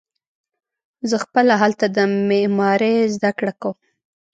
زه خپله هلته د معمارۍ زده کړه کوم.